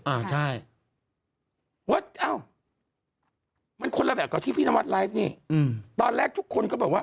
อ่าใช่ว่าอ้าวมันคนละแบบกับที่พี่นวัดไลฟ์นี่อืมตอนแรกทุกคนก็บอกว่า